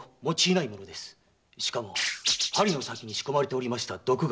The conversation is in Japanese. しかも針の先に仕込まれておりました毒が。